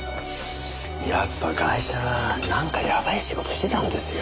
やっぱガイシャはなんかやばい仕事してたんですよ。